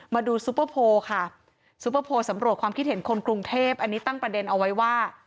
ซูเปอร์โพลค่ะซุปเปอร์โพลสำรวจความคิดเห็นคนกรุงเทพอันนี้ตั้งประเด็นเอาไว้ว่า